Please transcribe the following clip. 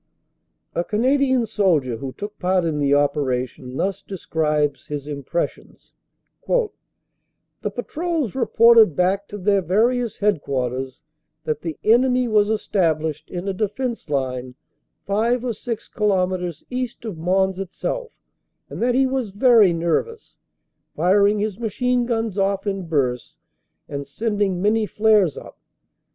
A Canadian soldier who took part in the operation thus describes his impressions: "The patrols reported back to their various headquarters that the enemy was established in a defense line five or six kilometres east of Mons itself and that he was very nervous, firing his machine guns off in bursts and sending many flares up.